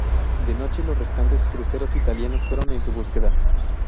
De noche los restantes cruceros italianos fueron en su búsqueda.